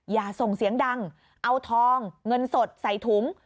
อย่าส่งเสียงดังเอาทองเงินสดใส่ถุง